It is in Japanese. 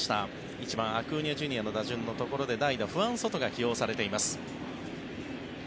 １番、アクーニャＪｒ．の打順のところで代打、フアン・ソトが起用されています。